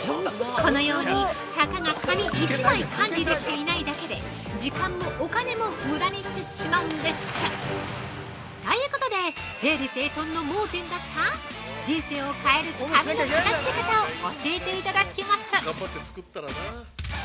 ◆このように、たかが紙１枚管理できていないだけで時間もお金も無駄にしてしまうんです。ということで、整理整頓の盲点だった人生を変える「紙の片づけ方」を教えていただきます。